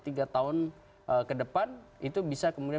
tiga tahun ke depan itu bisa kemudian